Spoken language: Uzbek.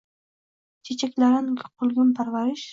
Chechaklarin qilgum parvarish…